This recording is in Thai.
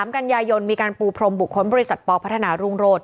กันยายนมีการปูพรมบุคคลบริษัทปพัฒนารุ่งโรศ